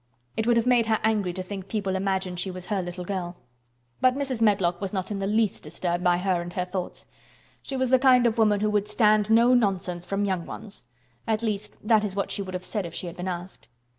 It would have made her angry to think people imagined she was her little girl. But Mrs. Medlock was not in the least disturbed by her and her thoughts. She was the kind of woman who would "stand no nonsense from young ones." At least, that is what she would have said if she had been asked.